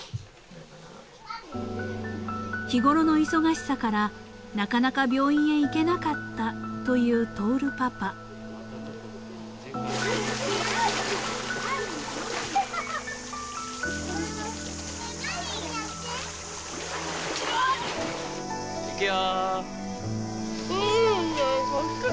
［日ごろの忙しさからなかなか病院へ行けなかったと言う亨パパ］いくよ。